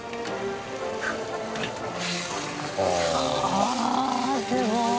あっすごい。